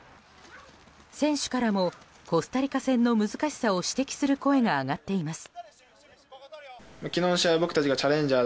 選手からもコスタリカ戦の難しさを指摘する声が上がっています。